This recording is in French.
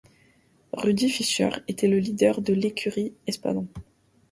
Rudi Fisher était le leader de l'Écurie Espadon.